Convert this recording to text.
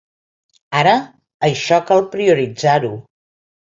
Ara això cal prioritzar-ho.